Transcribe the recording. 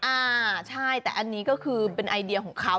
อ่าใช่แต่อันนี้ก็คือเป็นไอเดียของเขา